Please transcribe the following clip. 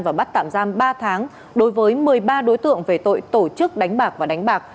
và bắt tạm giam ba tháng đối với một mươi ba đối tượng về tội tổ chức đánh bạc và đánh bạc